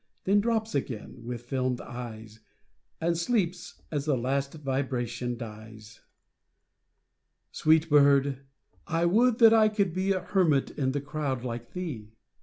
Then drops again with fdmed eyes, And sleeps as the last vibration dies. a (89) Sweet bird ! I would that I could be A hermit in the crowd like thee